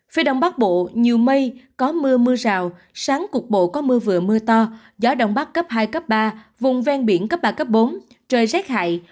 phía đông bắc bộ nhiều mây có mưa mưa rào sáng cục bộ có mưa vừa mưa to gió đông bắc cấp hai cấp ba vùng ven biển cấp ba cấp bốn trời rét hại